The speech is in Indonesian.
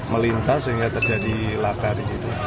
melintas sehingga terjadi laka di situ